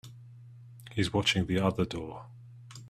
He's watching the other door.